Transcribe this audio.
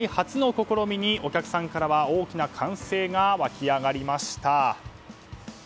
世界初の試みにお客さんからは大きな歓声が沸き上がりました。